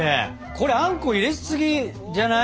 これあんこ入れすぎじゃない？